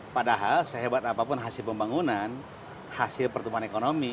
padahal sehebat apapun hasil pembangunan hasil pertumbuhan ekonomi